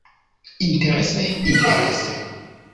Interese, interese.